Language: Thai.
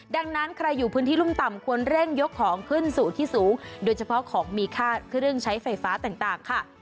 ดังนั้นใครอยู่พื้นที่รุ่มต่ำควรเร่งยกของขึ้นสู่ที่สูงโดยเฉพาะของมีค่าเครื่องใช้ไฟฟ้าต่างค่ะ